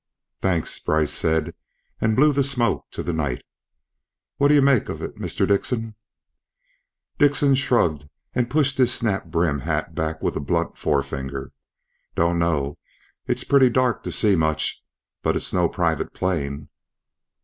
"Thanks," Brice said and blew the smoke to the night. "What d'you make of it, Mister Dickson?" Dickson shrugged and pushed his snap brim hat back with a blunt forefinger. "Dunno. It's pretty dark to see much, but it's no private plane."